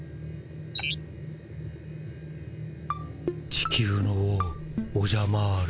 地球の王オジャマール。